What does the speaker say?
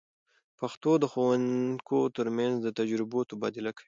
پښتو د ښوونکو تر منځ د تجربو تبادله کوي.